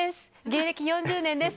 芸歴４０年です！